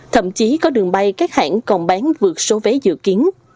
thậm chí có đường bay các hãng còn bán vượt số vé dự kiến